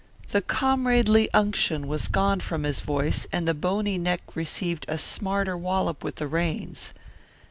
The comradely unction was gone from his voice and the bony neck received a smarter wallop with the reins.